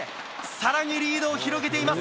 更にリードを広げています。